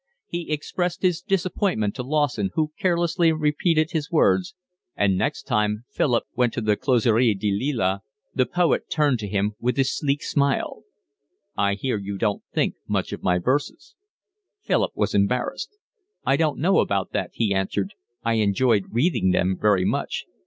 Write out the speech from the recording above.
He expressed his disappointment to Lawson, who carelessly repeated his words; and next time Philip went to the Closerie des Lilas the poet turned to him with his sleek smile: "I hear you don't think much of my verses." Philip was embarrassed. "I don't know about that," he answered. "I enjoyed reading them very much."